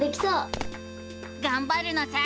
がんばるのさ！